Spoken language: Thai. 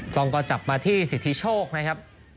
กล้องก็จับมาที่สิทธิโชคนะครับ